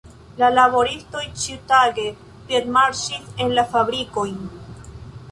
La laboristoj ĉiutage piedmarŝis en la fabrikojn.